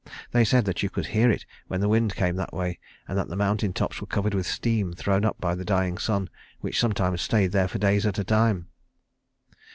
They said that you could hear it when the wind came that way, and that the mountain tops were covered with steam thrown up by the dying sun, which sometimes stayed there for days at a time.